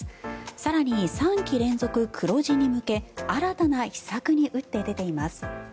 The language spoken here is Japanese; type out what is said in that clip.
更に、３期連続黒字に向け新たな秘策に打って出ています。